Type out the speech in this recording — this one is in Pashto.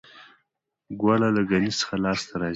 ګوړه له ګني څخه لاسته راځي